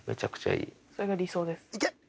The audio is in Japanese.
それが理想です。